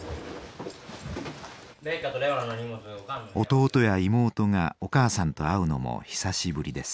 弟や妹がお母さんと会うのも久しぶりです。